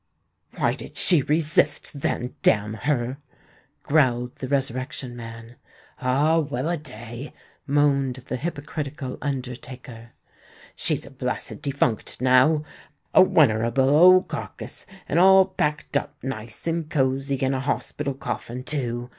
"Why did she resist, then, damn her!" growled the Resurrection Man. "Ah! well a day," moaned the hypocritical undertaker: "she's a blessed defunct now—a wenerable old carkiss—and all packed up nice and cozy in a hospital coffin too!